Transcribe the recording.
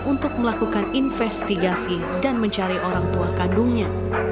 untuk melakukan investigasi dan mencari orang tua kandungnya